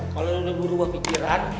kalo lu udah berubah pikiran